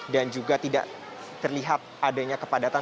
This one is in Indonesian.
dan juga tidak terlihat adanya kepadatan